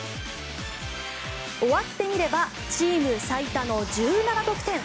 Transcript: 終わってみればチーム最多の１７得点。